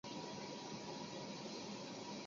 伊比库伊是巴西巴伊亚州的一个市镇。